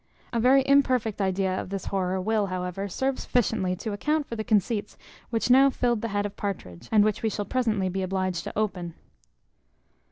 A very imperfect idea of this horror will, however, serve sufficiently to account for the conceits which now filled the head of Partridge, and which we shall presently be obliged to open.